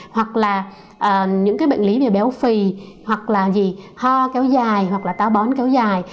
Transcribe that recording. hoặc là những cái bệnh lý về béo phì hoặc là gì ho kéo dài hoặc là táo bón kéo dài